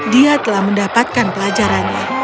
dia telah mendapatkan pelajarannya